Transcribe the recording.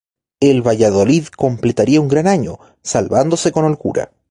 El Valladolid completaría un gran año salvándose con holgura.